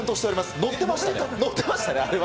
乗ってましたね、あれは。